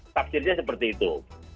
takdirnya seperti itu